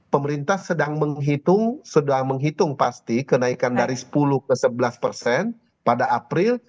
pemerintah sedang menghitung pasti kenaikan dari sepuluh ke sebelas persen pada april